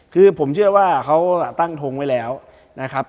คือผมเชื่อว่าเขาตั้งทงไว้แล้วนะครับ